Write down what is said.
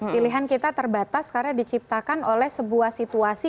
pilihan kita terbatas karena diciptakan oleh sebuah situasi